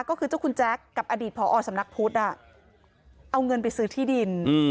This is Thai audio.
ก็คือเจ้าคุณแจ๊คกับอดีตผอสำนักพุทธเอาเงินไปซื้อที่ดิน